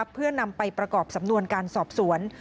เพื่อนำไปประกอบสำนวนการสอบสวน